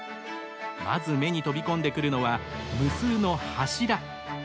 まず目に飛び込んでくるのは無数の柱。